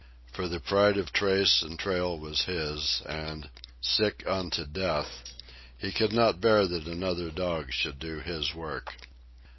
For the pride of trace and trail was his, and, sick unto death, he could not bear that another dog should do his work.